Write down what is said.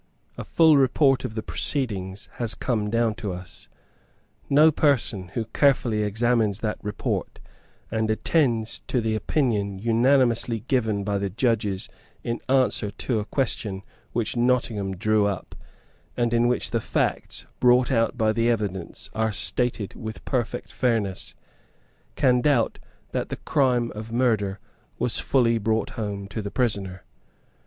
A full report of the proceedings has come down to us. No person, who carefully examines that report, and attends to the opinion unanimously given by the judges in answer to a question which Nottingham drew up, and in which the facts brought out by the evidence are stated with perfect fairness, can doubt that the crime of murder was fully brought home to the prisoner.